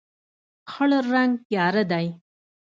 خړ رنګ تیاره دی.